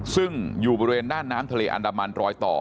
ซึ่งอยู่บริเวณด้านน้ำทะเลอันดามันรอยต่อ